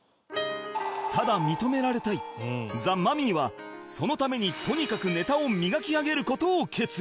ただ認められたいザ・マミィはそのためにとにかくネタを磨き上げる事を決意